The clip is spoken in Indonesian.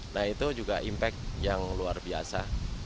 nah itu juga impact yang luar biasa